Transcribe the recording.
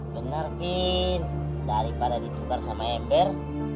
benar vin daripada ditukar sama ember